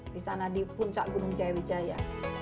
di sana di puncak gunung jaya wijaya